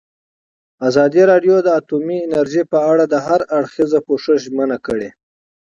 ازادي راډیو د اټومي انرژي په اړه د هر اړخیز پوښښ ژمنه کړې.